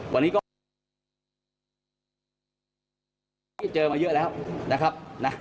วันนี้ก็เจอมาเยอะแล้วนะครับนะ